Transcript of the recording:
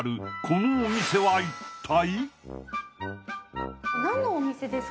このお店は一体？